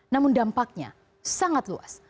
namun dampaknya sangat luas